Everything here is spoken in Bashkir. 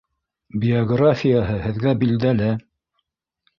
Биографияһы һеҙгә билдәле